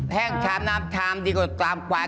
แห้งชามน้ำชามดีกว่าตามควาย